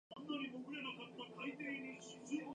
本規約にはカリフォルニア州の法律が適用されます。